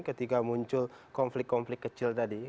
ketika muncul konflik konflik kecil tadi